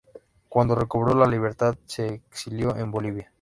Cuando recobró la libertad se exilió en Bolivia.